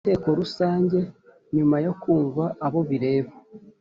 n Inteko rusange nyuma yo kumva abo bireba